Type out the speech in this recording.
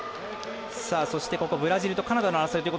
そしてブラジルとカナダの争い。